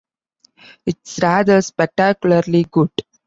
It's rather spectacularly good.